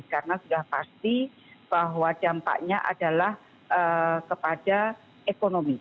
karena sudah pasti bahwa dampaknya adalah kepada ekonomi